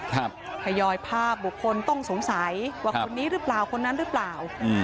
ทยอยภาพบุคคลต้องสงสัยว่าคนนี้หรือเปล่าคนนั้นหรือเปล่า